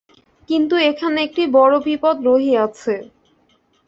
কিন্তু এখানে একটি বড় বিপদ রহিয়াছে।